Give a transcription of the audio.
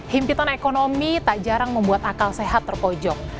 himpitan ekonomi tak jarang membuat akal sehat terpojok